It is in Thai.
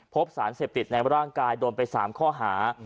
พบสารเสพติดในร่างกายโดนไป๓ข้อหา